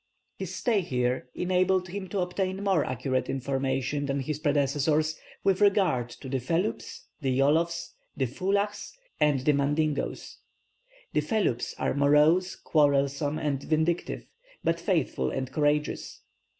His stay here enabled him to obtain more accurate information than his predecessors with regard to the Feloups, the Yolofs, the Foulahs, and the Mandingoes. The Feloups are morose, quarrelsome, and vindictive, but faithful and courageous.